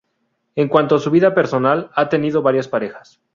En cuanto a su vida personal, ha tenido varias parejas.